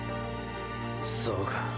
そうか。